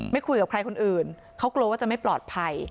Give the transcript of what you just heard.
คุยกับใครคนอื่นเขากลัวว่าจะไม่ปลอดภัย